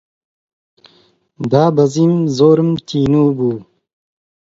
دابەزیم، زۆرم تینوو بوو